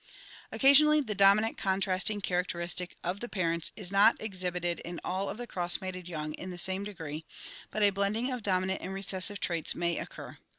Occasionally the dominant contrasting characteristic of the parents is not exhibited in all of the cross mated young in the same degree, but a blending of dominant and recessive traits may occur.